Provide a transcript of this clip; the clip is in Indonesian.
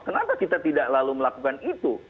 kenapa kita tidak lalu melakukan itu